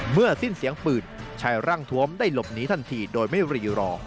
สิ้นเสียงปืนชายร่างทวมได้หลบหนีทันทีโดยไม่รีรอ